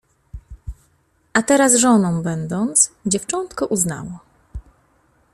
A teraz, żoną będąc, dziewczątko uznało